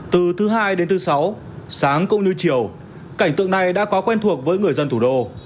từ thứ hai đến thứ sáu sáng cũng như chiều cảnh tượng này đã có quen thuộc với người dân thủ đô